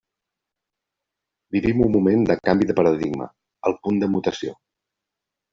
Vivim un moment de canvi de paradigma, el punt de mutació.